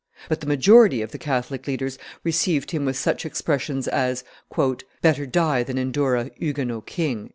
But the majority of the Catholic leaders received him with such expressions as, "Better die than endure a Huguenot king!"